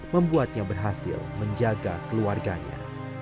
membuatnya berhasil menjaga keluarganya